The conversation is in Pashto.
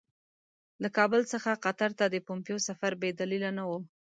له کابل څخه قطر ته د پومپیو سفر بې دلیله نه وو.